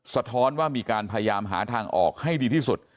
สะท้อนว่ามีการพยายามหาทางออกให้ดีที่สุด